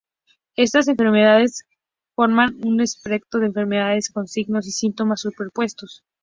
Estas enfermedades forman un espectro de enfermedades con signos y síntomas superpuestos.